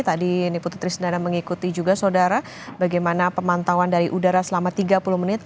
tadi ini putri sendana mengikuti juga saudara bagaimana pemantauan dari udara selama tiga puluh menit